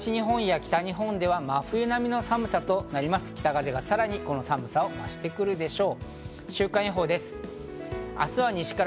北風がこの寒さをさらに増してくるでしょう。